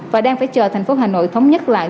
và đang phải chờ tp hcm thống nhất lại